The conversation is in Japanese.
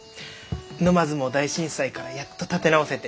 沼津も大震災からやっと立て直せて。